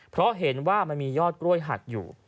เพราะเห็นว่ามันมียอดกล้วยหักอยู่